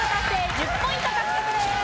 １０ポイント獲得です。